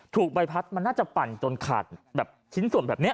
ถูกใบพัดมันน่าจะปั่นจนขาดแบบชิ้นส่วนแบบนี้